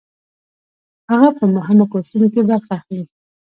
هغه په مهمو کورسونو کې برخه اخلي.